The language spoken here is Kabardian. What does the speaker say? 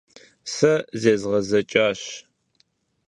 Сэ зезгъэзэкӀащ.